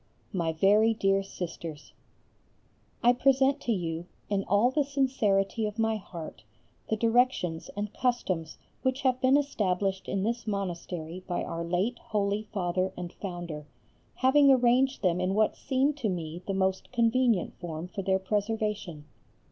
MY VERY DEAR SISTERS, I present to you, in all the sincerity of my heart, the directions and customs which have been established in this monastery by our late holy Father and Founder, having arranged them in what seemed to me the most convenient form for their preservation.